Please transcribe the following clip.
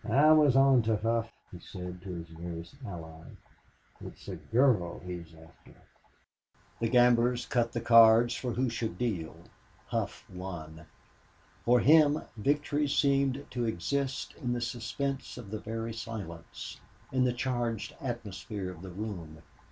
"I was onto Hough," he said to his nearest ally. "It's the girl he's after!" The gamblers cut the cards for who should deal. Hough won. For him victory seemed to exist in the suspense of the very silence, in the charged atmosphere of the room.